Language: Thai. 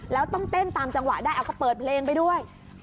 แล้วต้องเต้นตามจังหวะได้เอาก็เปิดเพลงไปด้วย